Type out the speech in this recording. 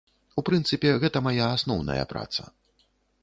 У прынцыпе, гэта мая асноўная праца.